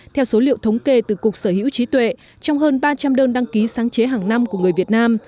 theo số liệu thống kê từ cục sở hữu trí tuệ trong hơn ba trăm linh đơn đăng ký sáng chế hàng năm của người việt nam